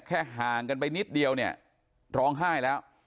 ห่างกันไปนิดเดียวเนี่ยร้องไห้แล้ว